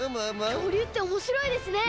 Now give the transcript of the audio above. きょうりゅうっておもしろいですね！